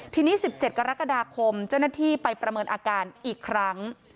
ทีนี้๑๗กรกฎาคมเจ้าหน้าที่ไปประเมินอาการอีกครั้ง